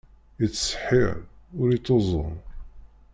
Ittṣeḥḥir, ur ittuẓum.